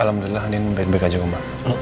alhamdulillah andin baik baik aja umar